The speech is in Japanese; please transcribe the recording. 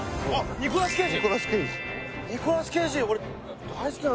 ニコラス・ケイジ。